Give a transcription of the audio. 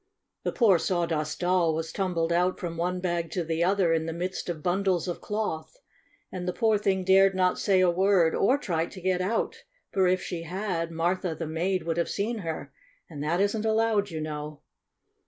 The poor Sawdust Doll was tumbled out from one bag to the other in the midst of bundles of cloth, and the poor thing dared not say a word, or try to get out, for if she had Martha, the maid, would have seen her, and that isn't allowed, you know.